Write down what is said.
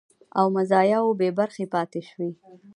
او مزایاوو بې برخې پاتې شوي